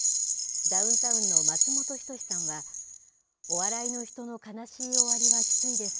ダウンタウンの松本人志さんは、お笑いの人の悲しい終わりはきついです。